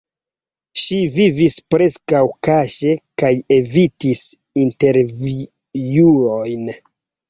Ŝi vivis preskaŭ kaŝe kaj evitis intervjuojn.